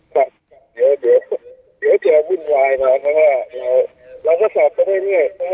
เดี๋ยวจะวุ่นวายกันอะแล้วก็สอบกันให้เรื่อย